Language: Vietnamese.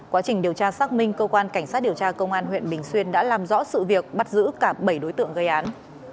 quá trình điều tra xác minh cơ quan cảnh sát điều tra công an huyện bình xuyên đã làm rõ sự việc bắt giữ cả bảy đối tượng gây án